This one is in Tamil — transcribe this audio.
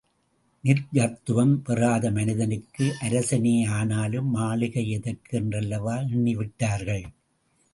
நித்யத்வம் பெறாத மனிதனுக்கு அரசனேயானாலும், மாளிகை எதற்கு என்றல்லவா எண்ணிவிட்டார்கள்.